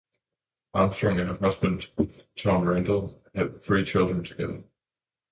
Armstrong and her husband Tom Randall have three children together.